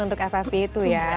untuk ffp itu ya